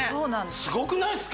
すごくないすか？